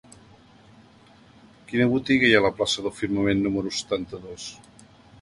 Quina botiga hi ha a la plaça del Firmament número setanta-dos?